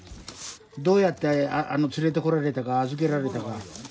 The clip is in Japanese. どうやって連れてこられたか預けられたか。